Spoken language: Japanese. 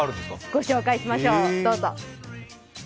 ご紹介しましょう、どうぞ。